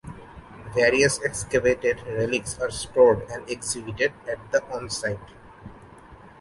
Various excavated relics are stored and exhibited at the on site.